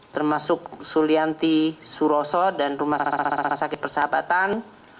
termasuk sulianti suroso dan rumah sakit persahabatan